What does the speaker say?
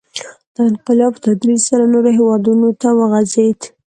• دا انقلاب په تدریج سره نورو هېوادونو ته وغځېد.